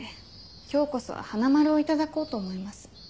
今日こそは花丸を頂こうと思います。